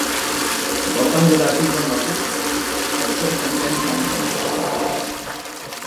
गौतम गुलाटी को notice, sexual content कम करें